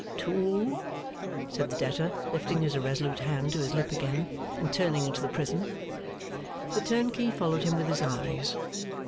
'Two,' said the debtor, lifting his irresolute hand to his lip again, and turning into the prison. The turnkey followed him with his eyes.